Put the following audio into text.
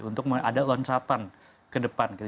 untuk ada loncatan ke depan gitu